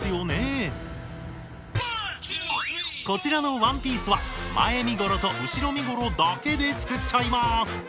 こちらのワンピースは前身ごろと後ろ身ごろだけで作っちゃいます。